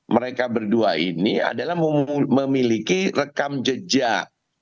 mereka berdua ini adalah memiliki rekam jejak